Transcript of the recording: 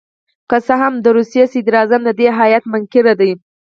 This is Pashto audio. که څه هم د روسیې صدراعظم د دې هیات منکر دي.